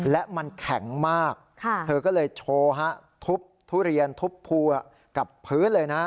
และมันแข็งมากเธอก็เลยโชว์ฮะทุบทุเรียนทุบพัวกับพื้นเลยนะ